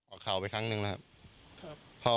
ออกข่าวไปครั้งหนึ่งนะครับ